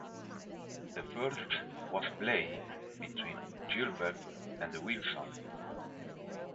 The first was played between Gilbert and Wilson.